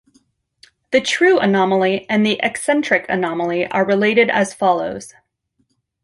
The true anomaly and the eccentric anomaly are related as follows.